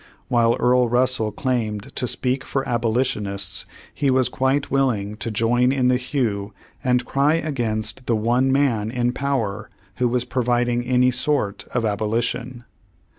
While Earl Russel claimed to speak for abolitionists, he was quite willing to join in the hue and cry against the one man in power who was providing any sort of abolition.